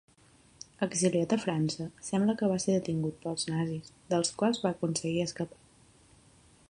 Exiliat a França, sembla que va ser detingut pels nazis, dels quals va aconseguir escapar.